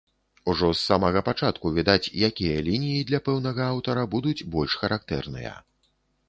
Ужо з самага пачатку відаць, якія лініі для пэўнага аўтара будуць больш характэрныя.